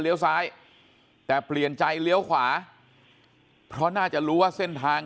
ซ้ายแต่เปลี่ยนใจเลี้ยวขวาเพราะน่าจะรู้ว่าเส้นทาง